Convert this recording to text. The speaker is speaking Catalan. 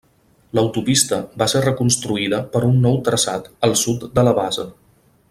L'autopista va ser reconstruïda per un nou traçat al sud de la base.